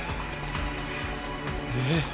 えっ！？